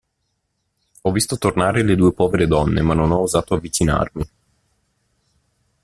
Ho visto tornare le due povere donne, ma non ho osato avvicinarmi.